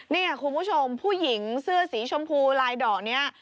นี่คุณผู้ชมผู้หญิงเสื้อสีชมพูลายดอกนี้